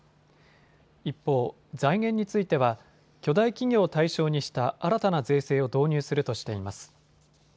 一方、財源については巨大企業を対象にした新たな税制を導入するとしています。